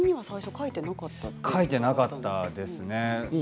書いてなかったですね。